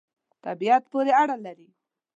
طبعیت پوری اړه لری